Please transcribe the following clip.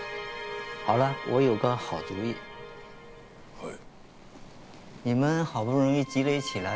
はい。